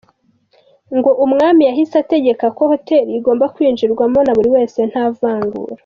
Ngo Umwami yahise ategeka ko Hotel igomba kwinjirwamo na buri wese nta vangura.